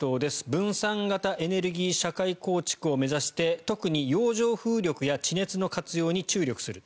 分散型エネルギー社会構築を目指して特に洋上風力や地熱の活力に注力する。